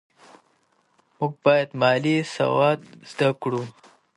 موږ باید مالي سواد زده کړو.